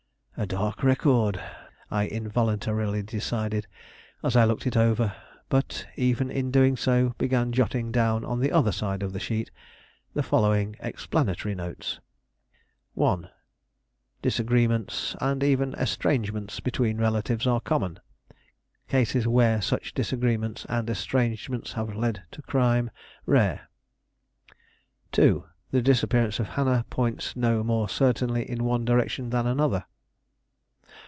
"A dark record," I involuntarily decided, as I looked it over; but even in doing so began jotting down on the other side of the sheet the following explanatory notes: 1. Disagreements and even estrangements between relatives are common. Cases where such disagreements and estrangements have led to crime, rare. 2. The disappearance of Hannah points no more certainly in one direction than another.